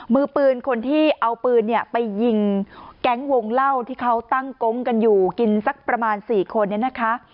มือปืนคนที่เอาปืนเนี่ยไปยิงแก๊งวงเล่าที่เขาตั้งกงกันอยู่กินสักประมาณ๔คนเนี่ยนะคะ